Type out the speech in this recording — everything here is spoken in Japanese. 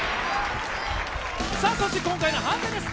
そして今回のハンデです。